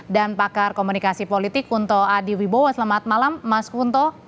dan pakar komunikasi politik kunto adi wibowo selamat malam mas kunto